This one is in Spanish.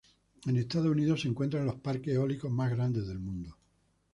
En Estados Unidos se encuentran los parques eólicos más grandes del mundo.